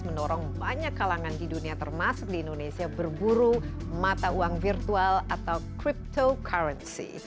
mendorong banyak kalangan di dunia termasuk di indonesia berburu mata uang virtual atau cryptocurrency